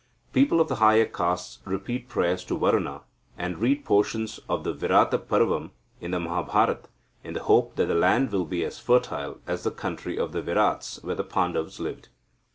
People of the higher castes repeat prayers to Varuna, and read portions of the Virata Parvam in the Mahabharata, in the hope that the land will be as fertile as the country of the Virats, where the Pandavas lived.